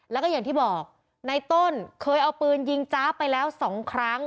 แล้วก็อย่างที่บอกในต้นเคยเอาปืนยิงจ๊าบไปแล้ว๒ครั้ง